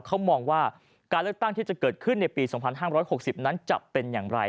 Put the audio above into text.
เขามองว่าการเลือกตั้งที่จะเกิดขึ้นในปี๒๕๖๐นั้นจะเป็นอย่างไร